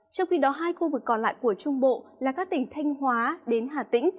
trong khi đó hai khu vực còn lại của trung bộ là các tỉnh thanh hóa đến hà tĩnh